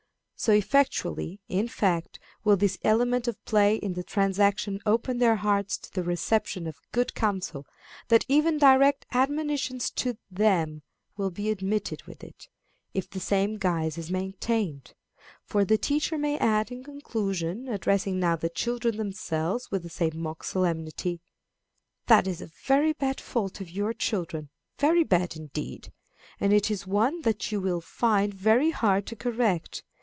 So effectually, in fact, will this element of play in the transaction open their hearts to the reception of good counsel, that even direct admonitions to them will be admitted with it, if the same guise is maintained; for the teacher may add, in conclusion, addressing now the children themselves with the same mock solemnity: "That is a very bad fault of your children very bad, indeed. And it is one that you will find very hard to correct.